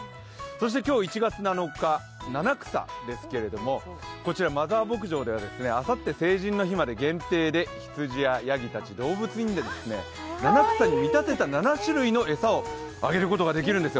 今日１月７日、七草ですけれども、こちらマザー牧場ではあさって成人の日まで限定でひつじややぎたち、動物に七草に見立てた７種類の餌をあげることができるんですよ。